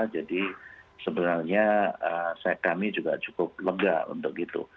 jadi sebenarnya kami juga cukup lega untuk itu